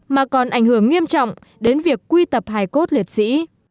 mà còn ảnh hưởng nghiêm trọng đến việc quy tập hài cốt liệt sĩ